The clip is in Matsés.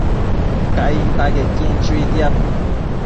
Cainta quequin chuitiad